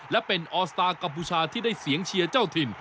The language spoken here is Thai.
และเป็นออสตาร์กัมพูชาที่ได้เสียงเชียร์เจ้าถิ่น